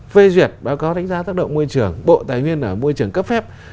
phê duyệt báo cáo đánh giá tác động môi trường bộ tài nguyên ở môi trường cấp phép